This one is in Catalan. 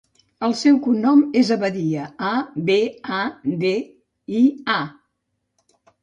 El seu cognom és Abadia: a, be, a, de, i, a.